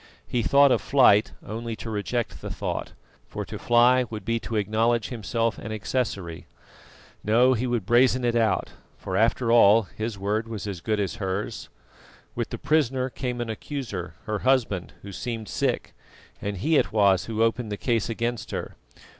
He thought of flight only to reject the thought, for to fly would be to acknowledge himself an accessory. No, he would brazen it out, for after all his word was as good as hers. With the prisoner came an accuser, her husband, who seemed sick, and he it was who opened the case against her.